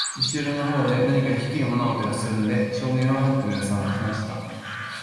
後ろの方で、なにか低い物音がするので、少年は、はっと目を覚ましました。